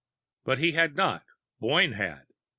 But he had not. Boyne had.